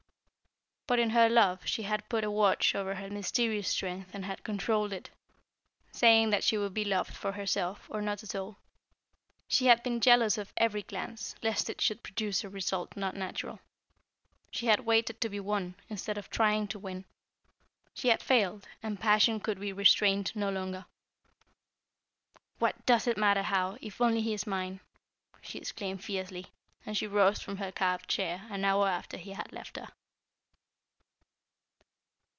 But in her love she had put a watch over her mysterious strength and had controlled it, saying that she would be loved for herself or not at all. She had been jealous of every glance, lest it should produce a result not natural. She had waited to be won, instead of trying to win. She had failed, and passion could be restrained no longer. "What does it matter how, if only he is mine!" she exclaimed fiercely, as she rose from her carved chair an hour after he had left her.